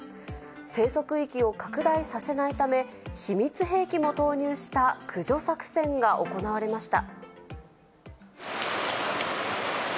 生息域を拡大させないため、秘密兵器も投入した駆除作戦が行われました。